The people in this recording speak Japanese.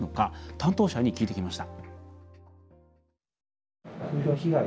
担当者に聞いてきました。